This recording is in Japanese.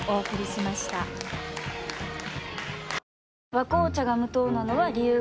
「和紅茶」が無糖なのは、理由があるんよ。